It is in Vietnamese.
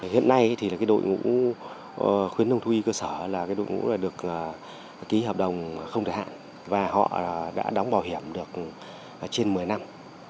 hiện nay thì đội ngũ khuyến nông thu y cơ sở là đội ngũ được ký hợp đồng không thời hạn và họ đã đóng bảo hiểm được trên một mươi năm